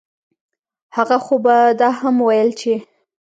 هغه خو به دا هم وييل چې